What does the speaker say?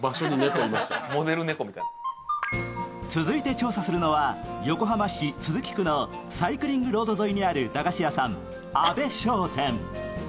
続いて調査するのは横浜市都筑区のサイクリングロード沿いにある駄菓子屋さん、阿部商店。